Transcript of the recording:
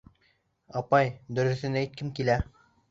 — Апай, дөрөҫөн әйткем килә...